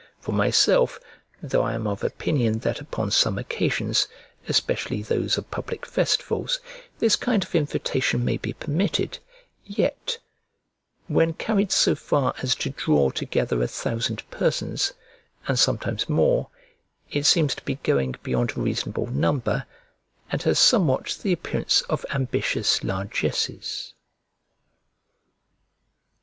For myself, though I am of opinion that upon some occasions, especially those of public festivals, this kind of invitation may be permitted, yet, when carried so far as to draw together a thousand persons, and sometimes more, it seems to be going beyond a reasonable number, and has somewhat the appearance of ambitious largesses.